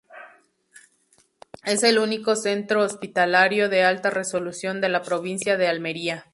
Es el único centro hospitalario de alta resolución de la provincia de Almería.